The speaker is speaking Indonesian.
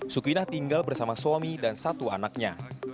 sukinah tinggal bersama suami dan satu anaknya